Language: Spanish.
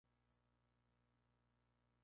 Salvator Lyceum.